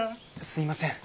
すいません。